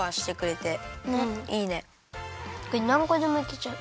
これなんこでもいけちゃう。